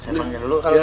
nah yang reva nya